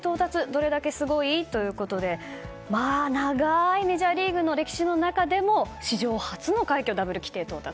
どれだけすごい？ということで長いメジャーリーグの歴史の中でも史上初の快挙ダブル規定到達。